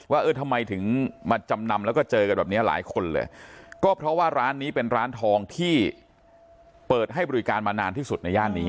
เออทำไมถึงมาจำนำแล้วก็เจอกันแบบนี้หลายคนเลยก็เพราะว่าร้านนี้เป็นร้านทองที่เปิดให้บริการมานานที่สุดในย่านนี้